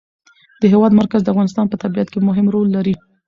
د هېواد مرکز د افغانستان په طبیعت کې مهم رول لري.